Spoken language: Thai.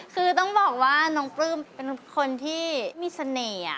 คือต้องบอกว่าน้องปลื้มเป็นคนที่มีเสน่ห์